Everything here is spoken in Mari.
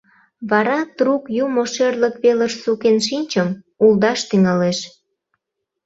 Вара трук юмо шӧрлык велыш сукен шинчым, улдаш тӱҥалеш: